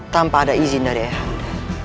tanpa ada izin dari ayahnya